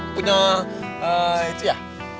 punya itu ya